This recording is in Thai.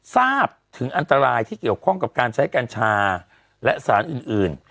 ทราบถึงอันตรายที่เกี่ยวข้องกับการใช้กัญชาและสารอื่น